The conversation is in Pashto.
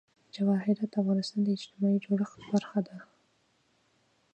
جواهرات د افغانستان د اجتماعي جوړښت برخه ده.